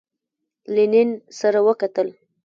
لینین سره وکتل.